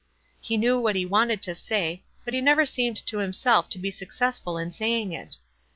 He knew what he wanted to say, but he never seemed to himself to be successful in saying it.